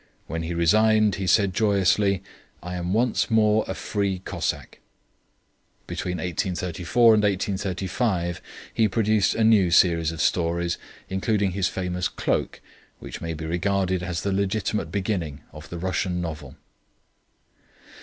When he resigned he said joyously: "I am once more a free Cossack." Between 1834 and 1835 he produced a new series of stories, including his famous Cloak, which may be regarded as the legitimate beginning of the Russian novel.